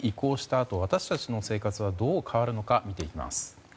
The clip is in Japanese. あと私たちの生活はどう変わるのか見ていきます。